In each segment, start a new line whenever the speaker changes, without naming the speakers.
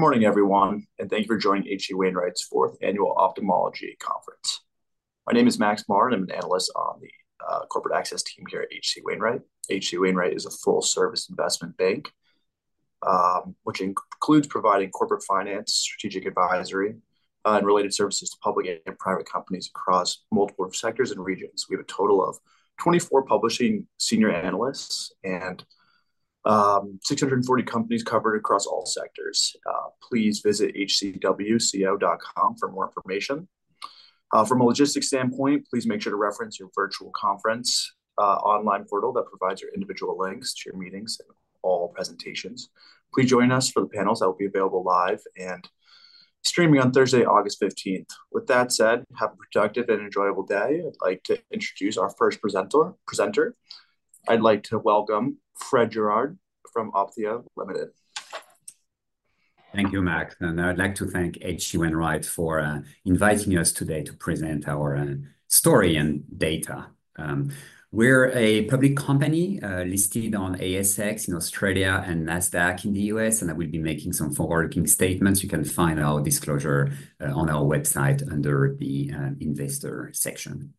Good morning, everyone, and thank you for joining H.C. Wainwright's fourth annual Ophthalmology Conference. My name is Max Martin. I'm an analyst on the corporate access team here at H.C. Wainwright. H.C. Wainwright is a full-service investment bank, which includes providing corporate finance, strategic advisory, and related services to public and private companies across multiple sectors and regions. We have a total of 24 publishing senior analysts and 640 companies covered across all sectors. Please visit hcwco.com for more information. From a logistics standpoint, please make sure to reference your virtual conference online portal that provides your individual links to your meetings and all presentations. Please join us for the panels that will be available live and streaming on Thursday, August fifteenth. With that said, have a productive and enjoyable day. I'd like to introduce our first presenter. I'd like to welcome Frédéric Guerard from Opthea Limited.
Thank you, Max, and I'd like to thank H.C. Wainwright for inviting us today to present our story and data. We're a public company, listed on ASX in Australia and Nasdaq in the U.S., and I will be making some forward-looking statements. You can find our disclosure on our website under the Investor section.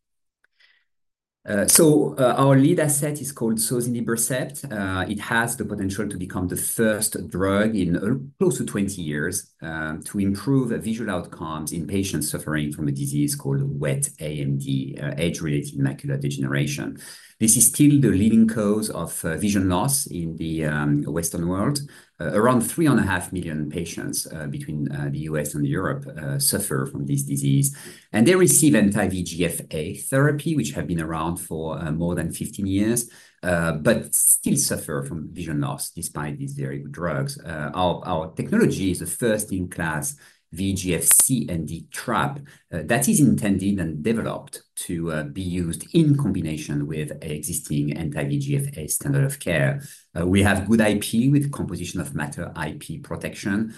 So, our lead asset is called sozinibercept. It has the potential to become the first drug in close to 20 years to improve visual outcomes in patients suffering from a disease called wet AMD, age-related macular degeneration. This is still the leading cause of vision loss in the Western world. Around 3.5 million patients between the U.S. and Europe suffer from this disease, and they receive anti-VEGF-A therapy, which have been around for more than 15 years, but still suffer from vision loss despite these very good drugs. Our technology is the first-in-class VEGF-C and -D trap that is intended and developed to be used in combination with existing anti-VEGF-A standard of care. We have good IP with composition of matter, IP protection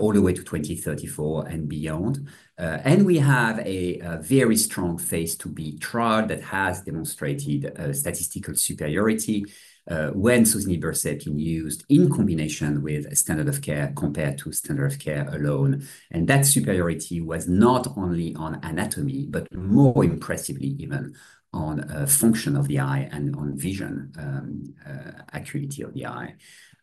all the way to 2034 and beyond. And we have a very strong phase IIb trial that has demonstrated statistical superiority when sozinibercept been used in combination with a standard of care compared to standard of care alone. That superiority was not only on anatomy, but more impressively, even on function of the eye and on vision, acuity of the eye.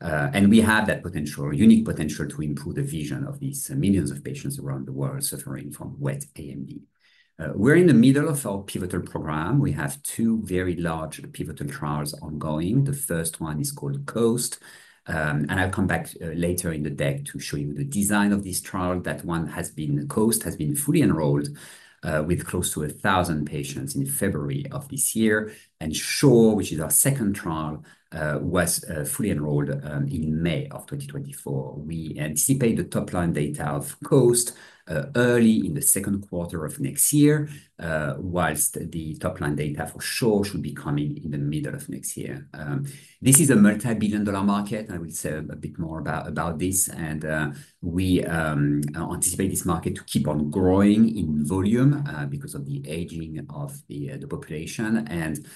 And we have that potential, unique potential to improve the vision of these millions of patients around the world suffering from wet AMD. We're in the middle of our pivotal program. We have two very large pivotal trials ongoing. The first one is called COAST, and I'll come back later in the deck to show you the design of this trial. COAST has been fully enrolled with close to 1,000 patients in February of this year. And SHORE, which is our second trial, was fully enrolled in May of 2024. We anticipate the top-line data of COAST early in the second quarter of next year, whilst the top-line data for ShORe should be coming in the middle of next year. This is a multibillion-dollar market. I will say a bit more about this, and we anticipate this market to keep on growing in volume because of the aging of the population. And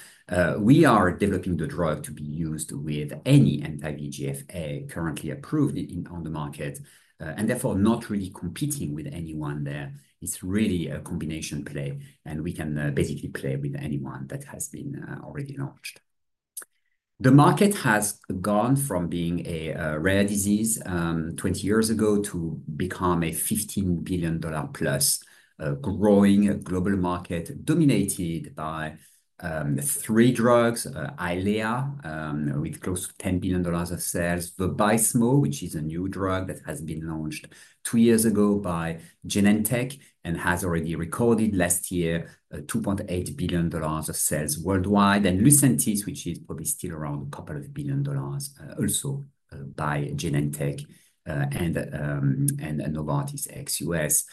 we are developing the drug to be used with any anti-VEGF-A currently approved in, on the market, and therefore not really competing with anyone there. It's really a combination play, and we can basically play with anyone that has been already launched. The market has gone from being a rare disease 20 years ago to become a $15 billion+ growing global market, dominated by three drugs: Eylea with close to $10 billion of sales; Vabysmo, which is a new drug that has been launched 2 years ago by Genentech and has already recorded last year $2.8 billion of sales worldwide; and Lucentis, which is probably still around a couple of billion dollars, also by Genentech and Novartis ex-US.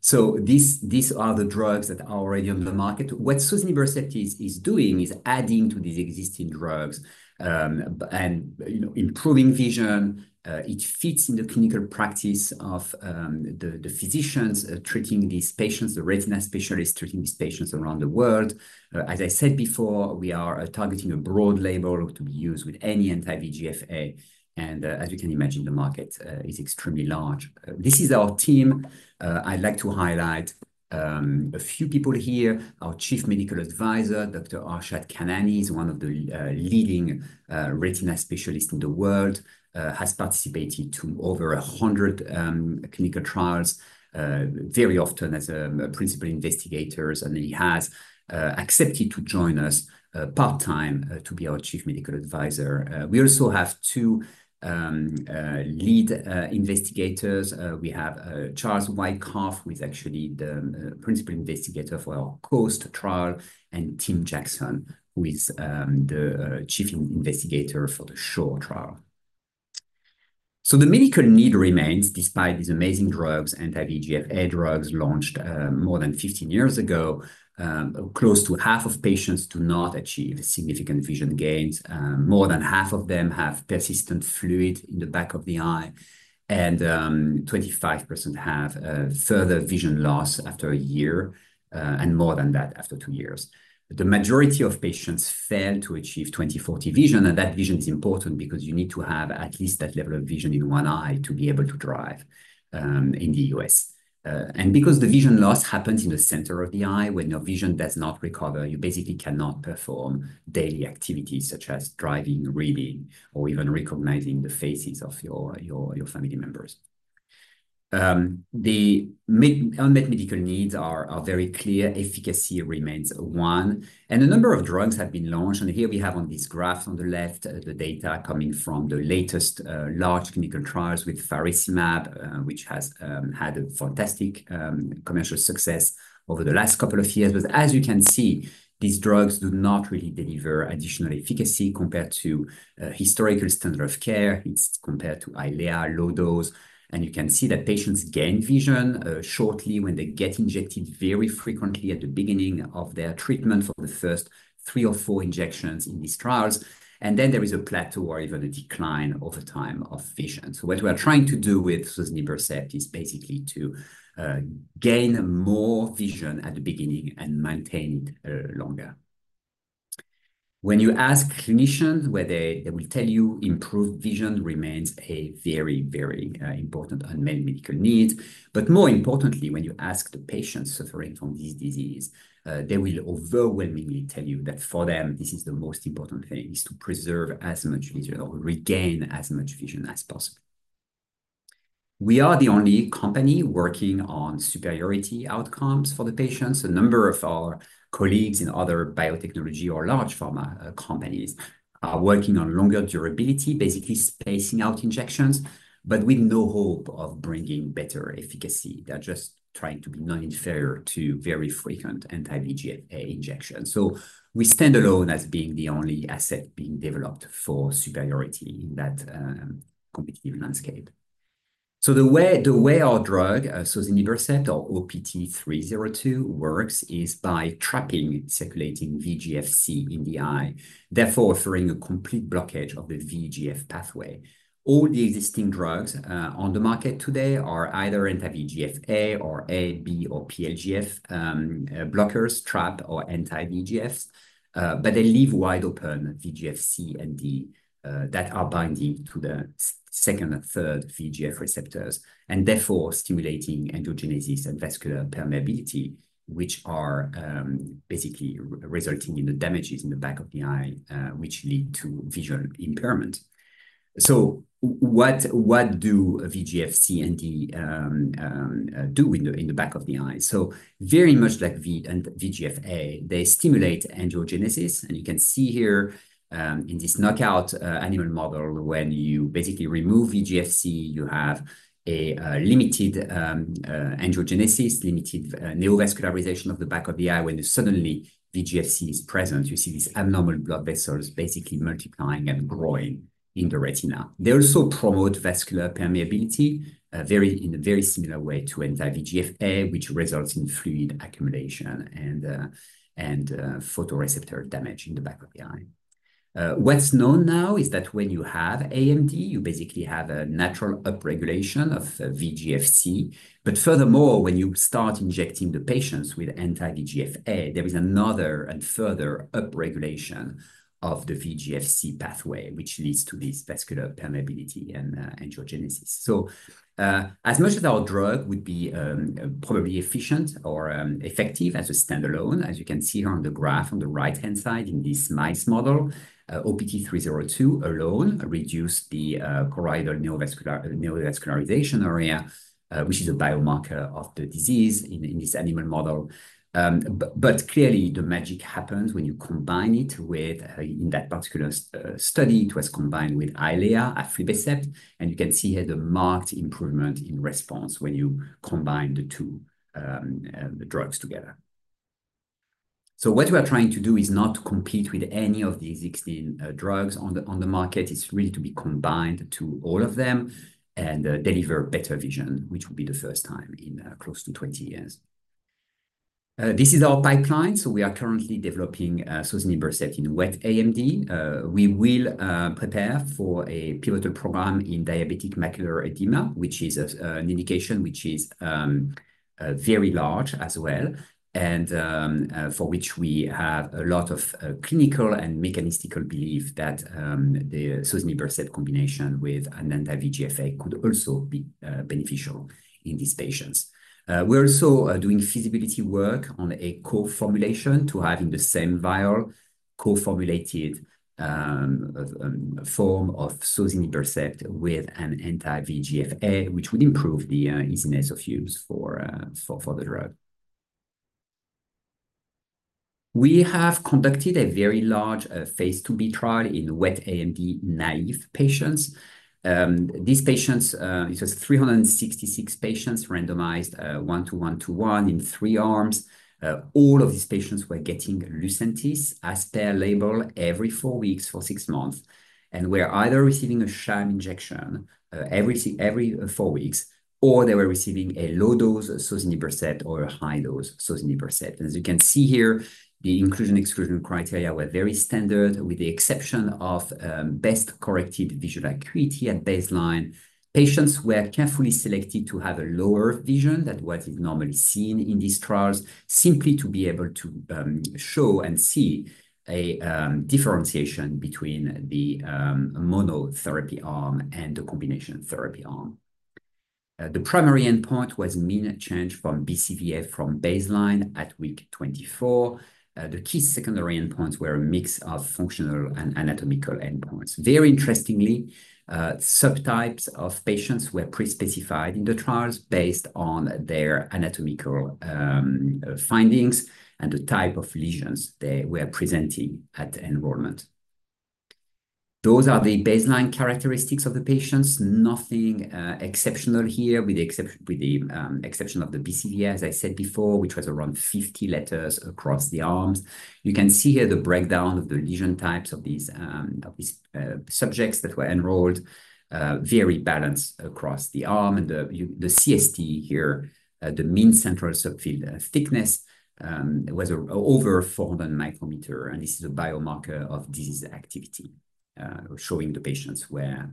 So these are the drugs that are already on the market. What sozinibercept is doing is adding to these existing drugs and, you know, improving vision. It fits in the clinical practice of the physicians treating these patients, the retina specialists treating these patients around the world. As I said before, we are targeting a broad label to be used with any anti-VEGF-A, and as you can imagine, the market is extremely large. This is our team. I'd like to highlight a few people here. Our Chief Medical Advisor, Dr. Arshad Khanani, is one of the leading retina specialists in the world, has participated to over 100 clinical trials, very often as principal investigators, and he has accepted to join us part-time to be our chief medical advisor. We also have two lead investigators. We have Charles Wyckoff, who is actually the principal investigator for our COAST trial, and Tim Jackson, who is the chief investigator for the SHORE trial. So the medical need remains despite these amazing drugs. Anti-VEGF-A drugs launched more than 15 years ago. Close to half of patients do not achieve significant vision gains. More than half of them have persistent fluid in the back of the eye, and 25% have further vision loss after a year, and more than that, after two years. The majority of patients fail to achieve 20/40 vision, and that vision is important because you need to have at least that level of vision in one eye to be able to drive in the U.S. And because the vision loss happens in the center of the eye, when your vision does not recover, you basically cannot perform daily activities such as driving, reading, or even recognizing the faces of your family members. The unmet medical needs are very clear. Efficacy remains one, and a number of drugs have been launched, and here we have on this graph on the left, the data coming from the latest large clinical trials with faricimab, which has had a fantastic commercial success over the last couple of years. But as you can see, these drugs do not really deliver additional efficacy compared to historical standard of care. It's compared to Eylea low dose, and you can see that patients gain vision shortly when they get injected very frequently at the beginning of their treatment for the first 3 or 4 injections in these trials, and then there is a plateau or even a decline over time of vision. So what we are trying to do with sozinibercept is basically to gain more vision at the beginning and maintain it longer. When you ask clinicians whether they will tell you improved vision remains a very, very important unmet medical need. But more importantly, when you ask the patients suffering from this disease, they will overwhelmingly tell you that for them, this is the most important thing, is to preserve as much vision or regain as much vision as possible. We are the only company working on superiority outcomes for the patients. A number of our colleagues in other biotechnology or large pharma companies are working on longer durability, basically spacing out injections, but with no hope of bringing better efficacy. They're just trying to be non-inferior to very frequent anti-VEGF-A injections. So we stand alone as being the only asset being developed for superiority in that competitive landscape. So the way, the way our drug, sozinibercept or OPT-302, works is by trapping circulating VEGF-C in the eye, therefore offering a complete blockage of the VEGF pathway. All the existing drugs on the market today are either anti-VEGF-A or A, B, or PLGF blockers, trap or anti-VEGFs, but they leave wide open VEGF-C and D that are binding to the second and third VEGF receptors, and therefore stimulating angiogenesis and vascular permeability, which are basically resulting in the damages in the back of the eye, which lead to visual impairment. So what do VEGF-C and D do in the back of the eye? So very much like VEGF-A, they stimulate angiogenesis, and you can see here in this knockout animal model, when you basically remove VEGF-C, you have limited angiogenesis, limited neovascularization of the back of the eye. When suddenly VEGF-C is present, you see these abnormal blood vessels basically multiplying and growing in the retina. They also promote vascular permeability in a very similar way to anti-VEGF-A, which results in fluid accumulation and photoreceptor damage in the back of the eye. What's known now is that when you have AMD, you basically have a natural upregulation of VEGF-C. But furthermore, when you start injecting the patients with anti-VEGF-A, there is another and further upregulation of the VEGF-C pathway, which leads to this vascular permeability and angiogenesis. So, as much as our drug would be probably efficient or effective as a standalone, as you can see here on the graph on the right-hand side in this mice model, OPT-302 alone reduced the choroidal neovascularization area, which is a biomarker of the disease in this animal model. But clearly, the magic happens when you combine it with... In that particular study, it was combined with Eylea, aflibercept, and you can see here the marked improvement in response when you combine the two the drugs together. So what we are trying to do is not to compete with any of the existing drugs on the market. It's really to be combined to all of them and deliver better vision, which will be the first time in close to 20 years. This is our pipeline. So we are currently developing sozinibercept in wet AMD. We will prepare for a pivotal program in diabetic macular edema, which is an indication which is very large as well, and for which we have a lot of clinical and mechanistic belief that the sozinibercept combination with an anti-VEGF-A could also be beneficial in these patients. We're also doing feasibility work on a co-formulation to have in the same vial, co-formulated, a form of sozinibercept with an anti-VEGF-A, which would improve the easiness of use for the drug. We have conducted a very large phase IIb trial in wet AMD naive patients. These patients, it was 366 patients, randomized 1:1:1 in three arms. All of these patients were getting Lucentis as per label every 4 weeks for 6 months and were either receiving a sham injection every 4 weeks, or they were receiving a low-dose sozinibercept or a high-dose sozinibercept. As you can see here, the inclusion/exclusion criteria were very standard, with the exception of best-corrected visual acuity at baseline. Patients were carefully selected to have a lower vision than what is normally seen in these trials, simply to be able to show and see a differentiation between the monotherapy arm and the combination therapy arm. The primary endpoint was mean change from BCVA from baseline at week 24. The key secondary endpoints were a mix of functional and anatomical endpoints. Very interestingly, subtypes of patients were pre-specified in the trials based on their anatomical findings and the type of lesions they were presenting at enrollment. Those are the baseline characteristics of the patients. Nothing exceptional here, with the exception of the BCVA, as I said before, which was around 50 letters across the arms. You can see here the breakdown of the lesion types of these subjects that were enrolled, very balanced across the arm. And the CST here, the mean central subfield thickness was over 400 micrometers, and this is a biomarker of disease activity, showing the patients where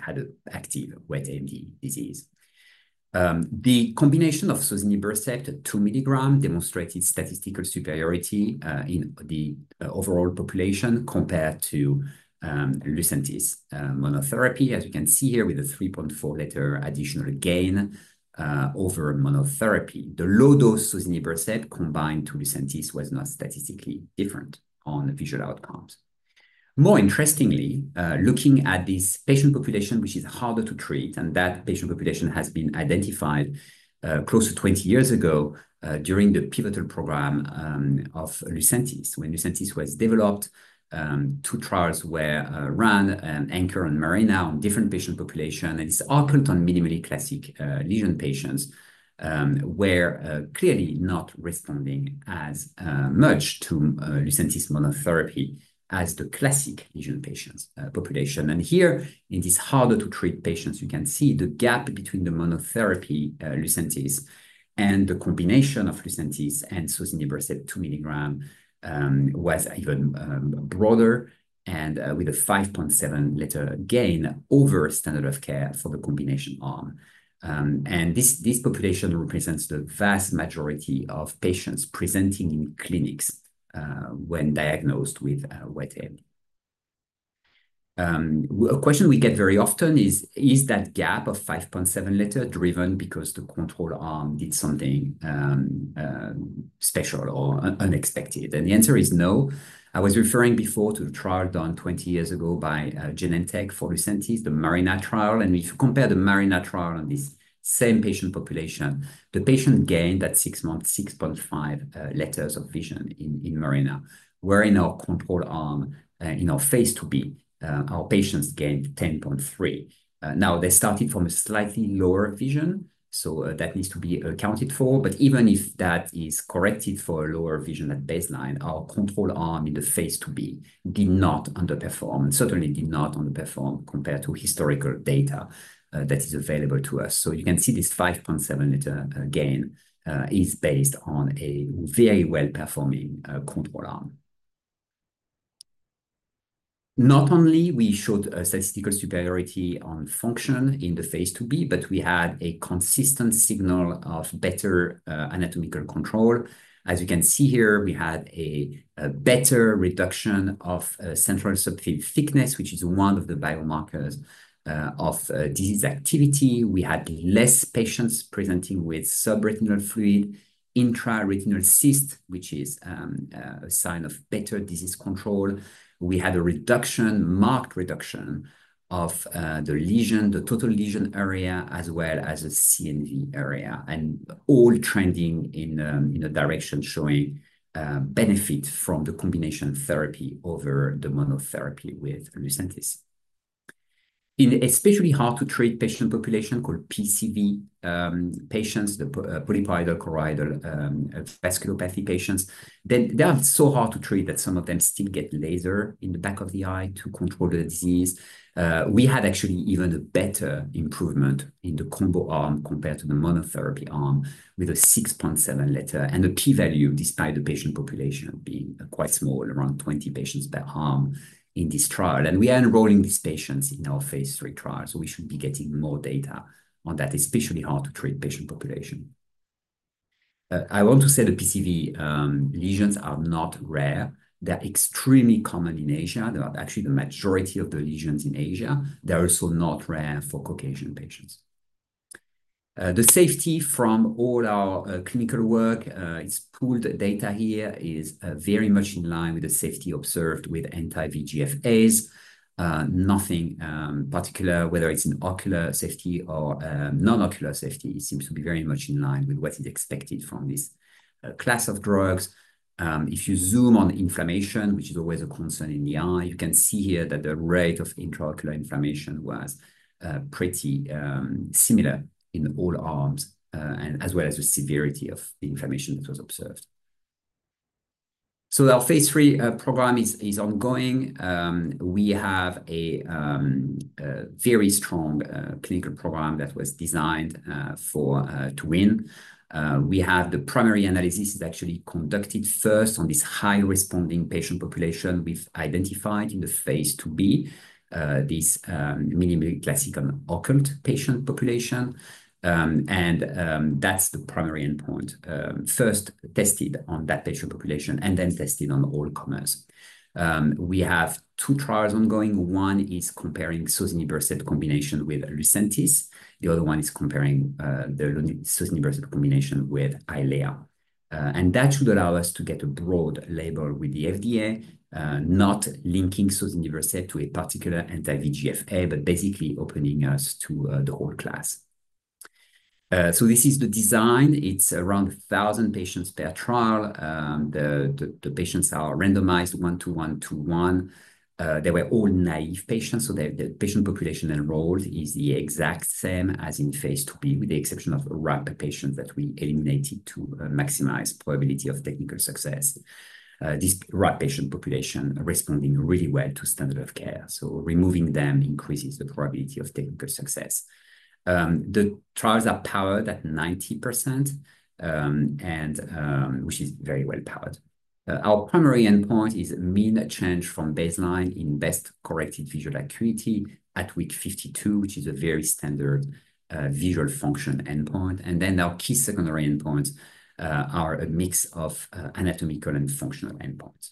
had a active wet AMD disease. The combination of sozinibercept, 2 milligram, demonstrated statistical superiority in the overall population compared to Lucentis monotherapy, as you can see here, with a 3.4 letter additional gain over monotherapy. The low-dose sozinibercept combined to Lucentis was not statistically different on visual outcomes. More interestingly, looking at this patient population, which is harder to treat, and that patient population has been identified close to 20 years ago during the pivotal program of Lucentis. When Lucentis was developed, 2 trials were run, ANCHOR and MARINA, on different patient population, and it's occult and minimally classic lesion patients were clearly not responding as much to Lucentis monotherapy as the classic lesion patients population. And here, it is harder to treat patients. You can see the gap between the monotherapy, Lucentis, and the combination of Lucentis and sozinibercept 2 milligram, was even, broader and, with a 5.7 letter gain over standard of care for the combination arm. And this, this population represents the vast majority of patients presenting in clinics, when diagnosed with wet AMD. A question we get very often is: Is that gap of 5.7 letter driven because the control arm did something, special or unexpected? And the answer is no. I was referring before to a trial done 20 years ago by Genentech for Lucentis, the MARINA trial, and if you compare the MARINA trial on this same patient population, the patient gained at 6 months, 6.5 letters of vision in MARINA. Where in our control arm, in our phase IIb, our patients gained 10.3. Now, they started from a slightly lower vision, so, that needs to be accounted for, but even if that is corrected for a lower vision at baseline, our control arm in the phase IIb did not underperform, and certainly did not underperform compared to historical data, that is available to us. So you can see this 5.7 letter gain, is based on a very well-performing, control arm. Not only we showed a statistical superiority on function in the phase IIb, but we had a consistent signal of better, anatomical control. As you can see here, we had a better reduction of, central subfield thickness, which is one of the biomarkers, of, disease activity. We had less patients presenting with subretinal fluid, intraretinal cyst, which is a sign of better disease control. We had a reduction, marked reduction of the lesion, the total lesion area, as well as a CNV area, and all trending in a direction showing benefit from the combination therapy over the monotherapy with Lucentis. In especially hard-to-treat patient population, called PCV, patients, the polypoidal choroidal vasculopathy patients, they are so hard to treat that some of them still get laser in the back of the eye to control the disease. We had actually even a better improvement in the combo arm compared to the monotherapy arm, with a 6.7-letter. And the p-value, despite the patient population being quite small, around 20 patients per arm in this trial. We are enrolling these patients in our phase III trial, so we should be getting more data on that, especially hard-to-treat patient population. I want to say the PCV lesions are not rare. They're extremely common in Asia. They are actually the majority of the lesions in Asia. They're also not rare for Caucasian patients. The safety from all our clinical work, it's pooled data here, is very much in line with the safety observed with anti-VEGFAs. Nothing particular, whether it's in ocular safety or non-ocular safety, it seems to be very much in line with what is expected from this class of drugs. If you zoom on inflammation, which is always a concern in the eye, you can see here that the rate of intraocular inflammation was pretty similar in all arms, and as well as the severity of the inflammation that was observed. So our phase III program is ongoing. We have a very strong clinical program that was designed to win. We have the primary analysis is actually conducted first on this high-responding patient population we've identified in the phase IIb minimally classic and occult patient population. And that's the primary endpoint first tested on that patient population and then tested on all comers. We have two trials ongoing. One is comparing sozinibercept combination with Lucentis. The other one is comparing the sozinibercept combination with Eylea. And that should allow us to get a broad label with the FDA, not linking sozinibercept to a particular anti-VEGF-A, but basically opening us to the whole class. So this is the design. It's around 1,000 patients per trial. The patients are randomized one-to-one to one. They were all naive patients, so the patient population enrolled is the exact same as in phase 2B, with the exception of RAP patients that we eliminated to maximize probability of technical success. This RAP patient population are responding really well to standard of care, so removing them increases the probability of technical success. The trials are powered at 90%, and which is very well-powered. Our primary endpoint is mean change from baseline in best-corrected visual acuity at week 52, which is a very standard visual function endpoint. Then our key secondary endpoints are a mix of anatomical and functional endpoints.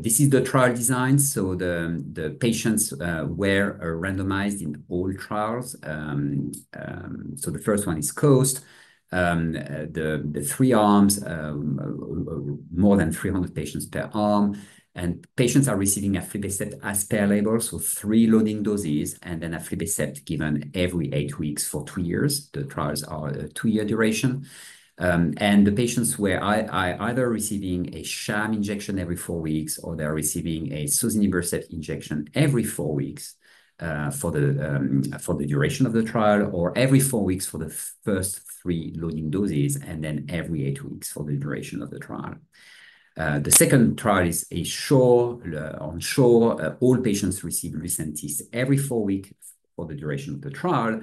This is the trial design. The patients were randomized in all trials. So the first one is COAST. The three arms, more than 300 patients per arm, and patients are receiving aflibercept as per label, so 3 loading doses, and then aflibercept given every 8 weeks for 2 years. The trials are a 2-year duration. And the patients were either receiving a sham injection every four weeks, or they are receiving a sozinibercept injection every four weeks, for the duration of the trial, or every four weeks for the first three loading doses, and then every eight weeks for the duration of the trial. The second trial is a ShORe. On ShORe, all patients receive Lucentis every four weeks for the duration of the trial,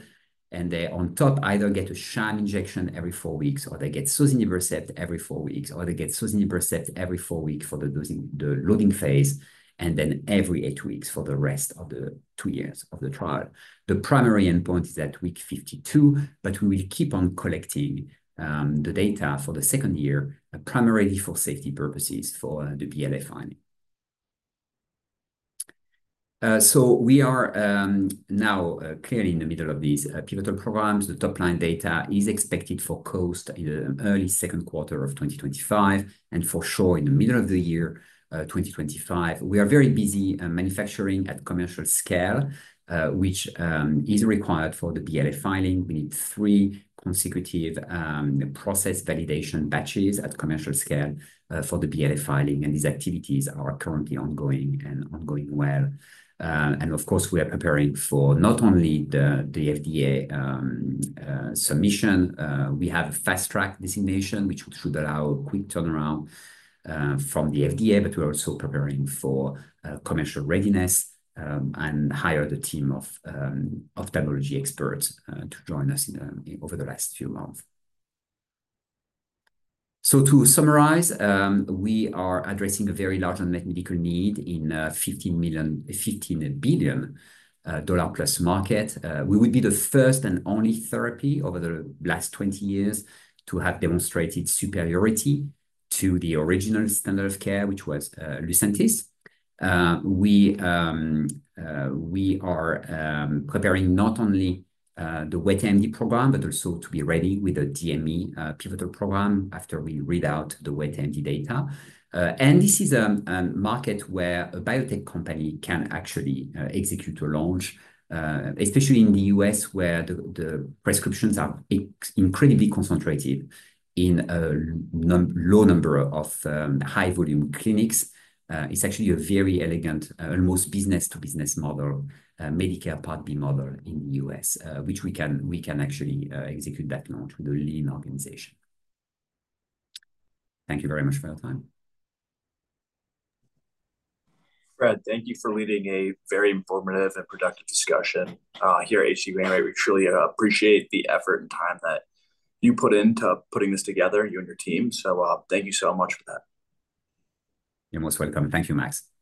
and they, on top, either get a sham injection every four weeks, or they get sozinibercept every four weeks, or they get sozinibercept every four weeks for the dosing, the loading phase, and then every eight weeks for the rest of the two years of the trial. The primary endpoint is at week 52, but we will keep on collecting the data for the second year, primarily for safety purposes for the BLA filing. So we are now clearly in the middle of these pivotal programs. The top-line data is expected for COAST in the early second quarter of 2025, and for ShORe, in the middle of the year 2025. We are very busy manufacturing at commercial scale, which is required for the BLA filing. We need 3 consecutive process validation batches at commercial scale for the BLA filing, and these activities are currently ongoing and ongoing well. And of course, we are preparing for not only the FDA submission. We have a fast track designation, which should allow quick turnaround from the FDA, but we're also preparing for commercial readiness and hire the team of ophthalmology experts to join us over the last few months. So to summarize, we are addressing a very large unmet medical need in $15 billion+ market. We would be the first and only therapy over the last 20 years to have demonstrated superiority to the original standard of care, which was Lucentis. We are preparing not only the wet AMD program, but also to be ready with a DME pivotal program after we read out the wet AMD data. And this is a market where a biotech company can actually execute a launch, especially in the U.S., where the prescriptions are incredibly concentrated in a low number of high-volume clinics. It's actually a very elegant almost business-to-business model, Medicare Part B model in the U.S., which we can actually execute that launch with a lean organization. Thank you very much for your time.
Fred, thank you for leading a very informative and productive discussion here at H.C. We truly appreciate the effort and time that you put into putting this together, you and your team. So, thank you so much for that.
You're most welcome. Thank you, Max.